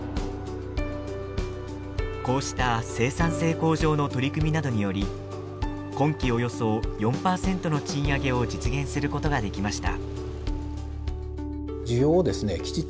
こうした生産性向上の取り組みなどにより今期およそ４％の賃上げを実現することができました。